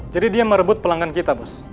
jadi dia merebut pelanggan kita bos